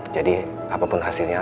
jadi apapun hasilnya